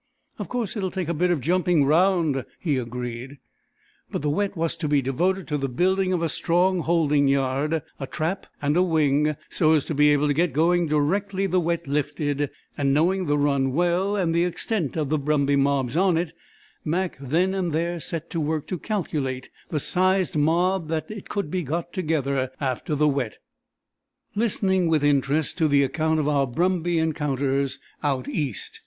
"Of course it'll take a bit of jumping round," he agreed. But the Wet was to be devoted to the building of a strong holding yard, a "trap," and a "wing," so as to be able to get going directly the Wet lifted; and knowing the run well, and the extent of the brumby mobs on it, Mac then and there set to work to calculate the "sized mob" that could be "got together after the Wet," listening with interest to the account of our brumby encounters out east.